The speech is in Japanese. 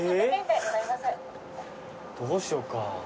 どうしようか。